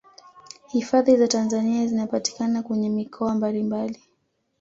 hifadhi za tanzania zinapatikana kwenye mikoa mbalimbali